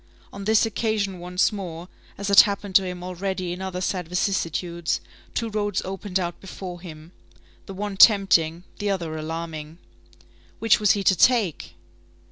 On this occasion once more, as had happened to him already in other sad vicissitudes, two roads opened out before him, the one tempting, the other alarming. Which was he to take?